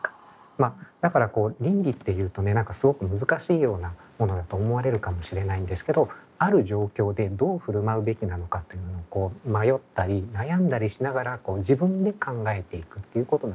まあだから倫理っていうとね何かすごく難しいようなものだと思われるかもしれないんですけどある状況でどう振る舞うべきなのかっていうものを迷ったり悩んだりしながら自分で考えていくということなんだろう。